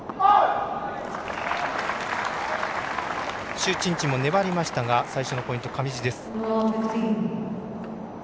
朱珍珍も粘りましたが最初のポイント、上地です。